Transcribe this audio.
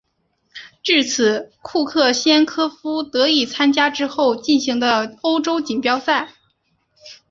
至此库克先科夫得以参加之后进行的欧洲锦标赛。